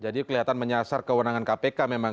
jadi kelihatan menyasar kewenangan kpk memang